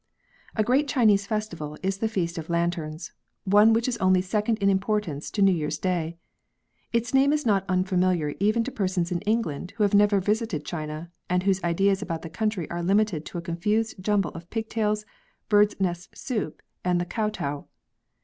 A GREAT Chinese festival is the Feast x)f Lanterns, one which is only second in importance to New Year's Day. Its name is not unfamiliar even to persons in England who have never visited China, and whose ideas about the country are limited to a confused jumble of pigtails, birds' nest soup, and the kotow.